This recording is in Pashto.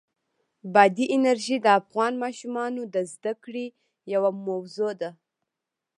بادي انرژي د افغان ماشومانو د زده کړې یوه موضوع ده.